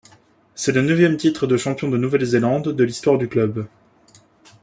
C'est le neuvième titre de champion de Nouvelle-Zélande de l'histoire du club.